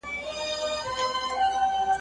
زه یم که مي نوم دی که هستي ده سره مله به یو `